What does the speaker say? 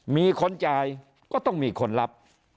มีคนจ่ายก็ต้องมีคนรับ